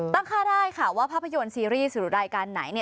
ตั้งค่าได้ค่ะว่าภาพยนตร์ซีรีส์หรือรายการไหนเนี่ย